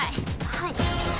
はい。